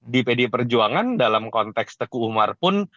di pdi perjuangan dalam konteks teku umar pun